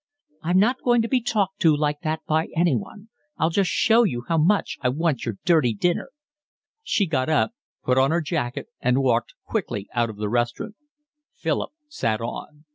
"I'm not going to be talked to like that by anyone. I'll just show you how much I want your dirty dinner." She got up, put on her jacket, and walked quickly out of the restaurant. Philip sat on.